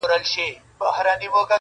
چي یو ځل مي په لحد کي زړګی ښاد کي-